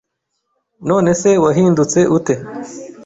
None se wahindutse ute